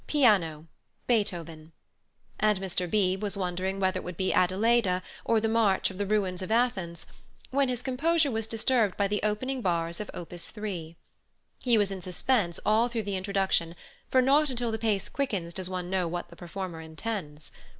Piano. Beethoven," and Mr. Beebe was wondering whether it would be Adelaida, or the march of The Ruins of Athens, when his composure was disturbed by the opening bars of Opus III. He was in suspense all through the introduction, for not until the pace quickens does one know what the performer intends.